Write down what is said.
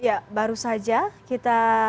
ya baru saja kita